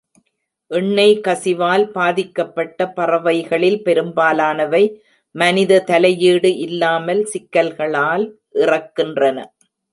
எண்ணெய் கசிவால் பாதிக்கப்பட்ட பறவைகளில் பெரும்பாலானவை மனித தலையீடு இல்லாமல் சிக்கல்களால் இறக்கின்றன.